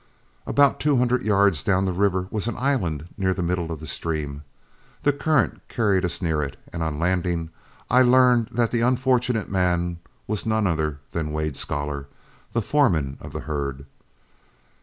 About two hundred yards down the river was an island near the middle of the stream. The current carried us near it, and, on landing, I learned that the unfortunate man was none other than Wade Scholar, the foreman of the herd.